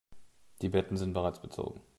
Die Betten sind bereits bezogen.